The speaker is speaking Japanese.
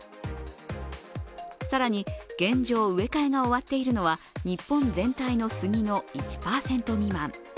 更に現状、植え替えが終わっているのは日本全体のスギの１％未満。